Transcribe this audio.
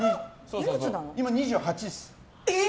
今２８っす。